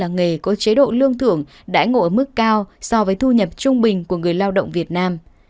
nghề có chế độ lương thưởng đã ngộ ở mức cao so với thu nhập trung bình của người lao động việt nam